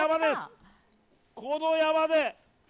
この山で。